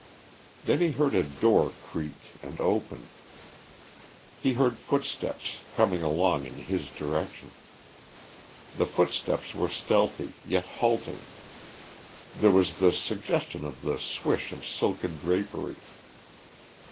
Then he heard a door creak and open; he heard footsteps coming along in his direction. The footsteps were stealthy, yet halting; there was the suggestion of the swish of silken drapery.